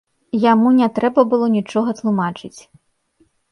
Яму не трэба было нічога тлумачыць.